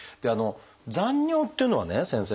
残尿っていうのはね先生